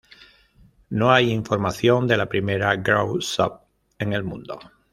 No hay información de la primera grow shop en el mundo.